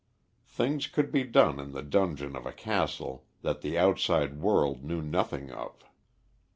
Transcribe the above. Things could be done in the dungeon of a castle that the outside world knew nothing of.